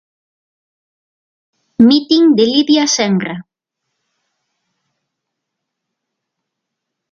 Mitin de Lidia Senra.